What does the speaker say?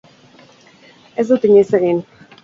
Ez dut inoiz egin.